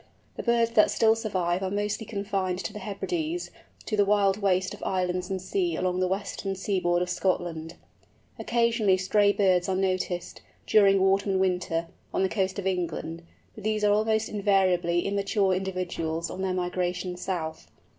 The birds that still survive are mostly confined to the Hebrides, to the wild waste of islands and sea along the western seaboard of Scotland. Occasionally stray birds are noticed, during autumn and winter, on the coast of England, but these are almost invariably immature individuals on their migration south.